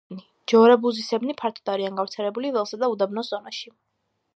ჯორაბუზისებრნი ფართოდ არიან გავრცელებული ველსა და უდაბნოს ზონაში.